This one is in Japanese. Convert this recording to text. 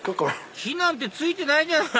火なんて付いてないじゃない！